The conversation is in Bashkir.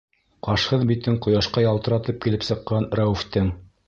Ҡашһыҙ битен ҡояшҡа ялтыратып килеп сыҡҡан Рәүефтең: